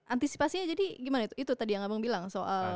antisipasinya jadi gimana itu tadi yang abang bilang soal